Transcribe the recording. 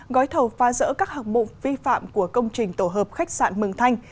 gói thầu phá rỡ các hạng mục vi phạm của công trình tổ hợp khách sạn mường thanh